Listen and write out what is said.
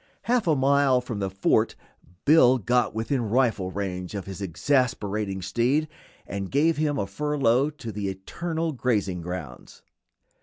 Half a mile from the fort Bill got within rifle range of his exasperating steed and gave him a furlough to the eternal grazing grounds.